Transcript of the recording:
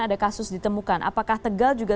ada kasus ditemukan apakah tegal juga